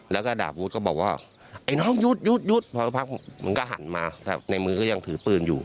แล้วก็ดาบวุฒิก็บอกว่าไอ้น้องหยุดหยุดพอสักพักมันก็หันมาในมือก็ยังถือปืนอยู่